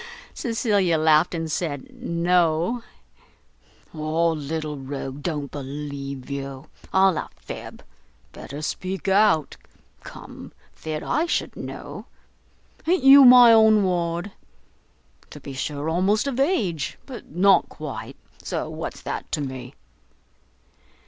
Cecilia laughed, and said "No." "Ah, little rogue, don't believe you! all a fib! better speak out: come, fit I should know; a'n't you my own ward? to be sure, almost of age, but not quite, so what's that to me?"